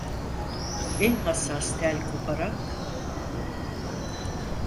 En hassas tel koparak.